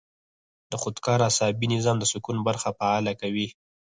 د خودکار اعصابي نظام د سکون برخه فعاله کوي -